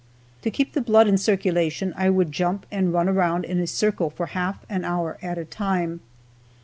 To keep the blood in circulation I would jump and run around in a circle for half an hour at a time.